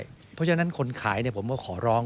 เพราะฉะนั้นผู้ค้าผมขอร้อง